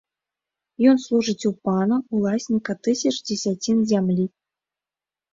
Ён служыць у пана, уласніка тысяч дзесяцін зямлі.